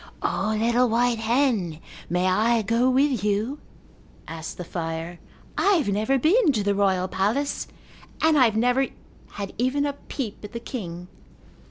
"O, little white hen, may I go with you?" asked the fire. "I have never been to the royal palace and I have never had even a peep at the king."